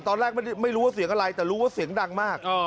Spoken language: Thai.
ตอนแรกไม่รู้ว่าเสียงอะไรแต่รู้ว่าเสียงดังมาก